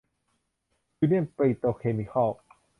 ยูเนี่ยน ปิโตรเคมีคอล